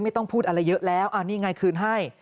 ไม่ต้องพูดอะไรเยอะแล้วนี่ไงคืนให้